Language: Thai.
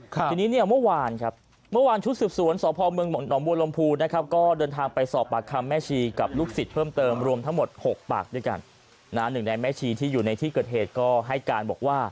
ทีนี้เมื่อวานครับเมื่อวานชุดสืบสวนสพมบลมพูดนะครับ